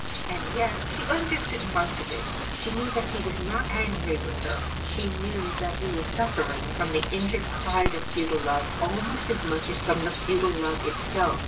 And yet she understood much of it. She knew that he was not angry with her. She knew that he was suffering from the injured pride of futile love, almost as much as from the futile love itself.